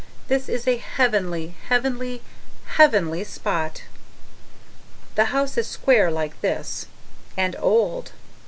This is a heavenly, heavenly, HEAVENLY spot! The house is square like this: And OLD.